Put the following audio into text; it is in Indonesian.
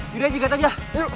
gireng jigat aja